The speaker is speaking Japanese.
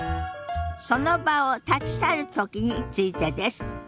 その場を立ち去るときについてです。